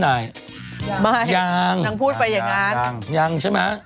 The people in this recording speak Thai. นางพูดไปอย่างงั้น